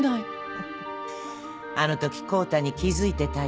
フフッあの時康太に気づいてたよ。